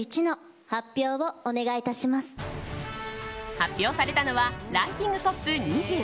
発表されたのはランキングトップ２０。